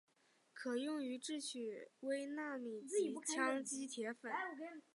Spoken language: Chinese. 可用于制取微纳米级羰基铁粉。